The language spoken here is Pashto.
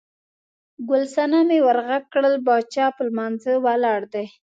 ګل صنمې ور غږ کړل، باچا په لمانځه ولاړ دی.